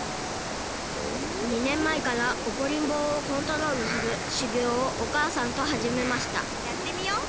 ２ねんまえからおこりんぼうをコントロールするしゅぎょうをおかあさんとはじめましたやってみよう。